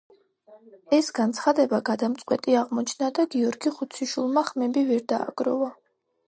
ეს განცხადება გადამწყვეტი აღმოჩნდა და გიორგი ხუციშვილმა ხმები ვერ დააგროვა.